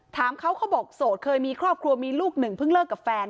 ถามเขาเขาบอกโสดเคยมีครอบครัวมีลูกหนึ่งเพิ่งเลิกกับแฟน